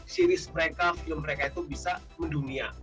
series mereka film mereka itu bisa mendunia